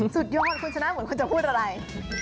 สุดยอดคุณชนะเหมือนคุณจะพูดอะไร